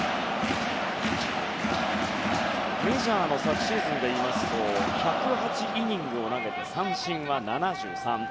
メジャーの昨シーズンでいいますと１０８イニングを投げて三振は７３。